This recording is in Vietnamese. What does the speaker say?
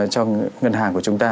cho ngân hàng của chúng ta